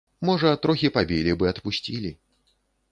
Можа, трохі пабілі б і адпусцілі.